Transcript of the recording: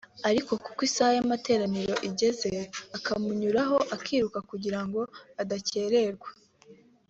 ariko kuko isaha y’amateraniro igeze akamunyuraho akiruka kugira ngo adakererwa